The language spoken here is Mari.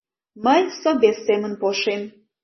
Мый собес семын полшем.